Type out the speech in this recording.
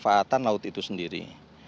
atau pemanfaatan laut itu sendiri